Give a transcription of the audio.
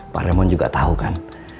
pak remon juga tahu kan